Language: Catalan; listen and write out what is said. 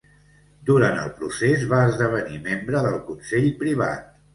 Durant el procés va esdevenir membre del Consell Privat.